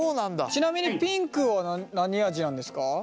ちなみにピンクは何味なんですか？